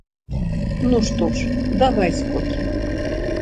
Ну што ж, давай скокі!